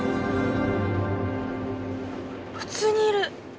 普通にいる！